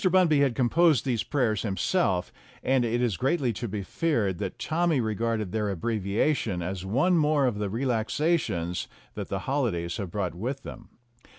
Bunby had composed these prayers himself, and it is greatly to be feared that Tommy regarded their abbreviation as one more of the relaxations that the holidays had brought with them.